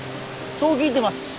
そう聞いてます。